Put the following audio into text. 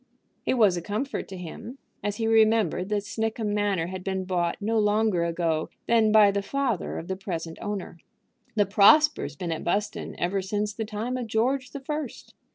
It was a comfort to him as he remembered that Snickham Manor had been bought no longer ago than by the father of the present owner. The Prospers been at Buston ever since the time of George the First.